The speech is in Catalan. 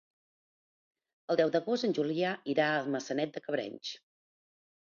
El deu d'agost en Julià irà a Maçanet de Cabrenys.